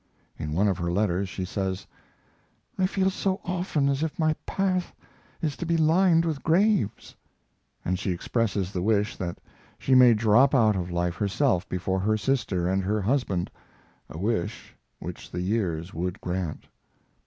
In one of her letters she says: "I feel so often as if my path is to be lined with graves," and she expresses the wish that she may drop out of life herself before her sister and her husband a wish which the years would grant.